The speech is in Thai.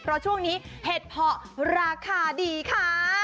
เพราะช่วงนี้เห็ดเพาะราคาดีค่ะ